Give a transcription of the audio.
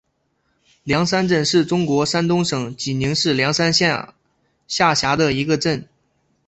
梁山镇是中国山东省济宁市梁山县下辖的一个镇。